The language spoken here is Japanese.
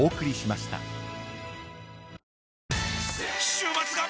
週末が！！